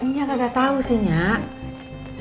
nyak nggak tahu sih nyak